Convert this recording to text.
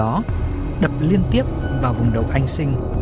lòng nhặt các hòn đá gần đó đập liên tiếp vào vùng đầu anh sinh